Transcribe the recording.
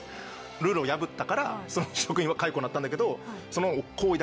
ルールを破ったからその職員は解雇になったんだけど。